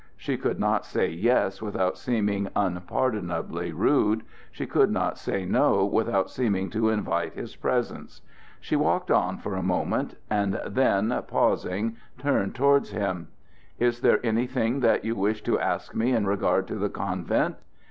She could not say "Yes" without seeming unpardonably rude; she could not say "No" without seeming to invite his presence. She walked on for a moment, and then, pausing, turned towards him. "Is there anything that you wished to ask me in regard to the convent?"